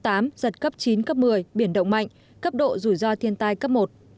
giật cấp chín cấp một mươi biển động mạnh cấp độ rủi ro thiên tai cấp một